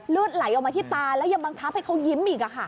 เลือดไหลออกมาที่ตาแล้วยังบังคับให้เขายิ้มอีก